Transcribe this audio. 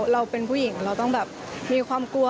เราเป็นผู้หญิงเราต้องแบบมีความกลัว